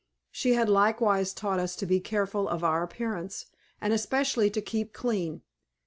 She had likewise taught us to be careful of our appearance, and especially to keep clean.